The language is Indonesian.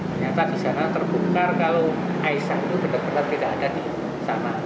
ternyata di sana terbongkar kalau aisyah itu benar benar tidak ada di sana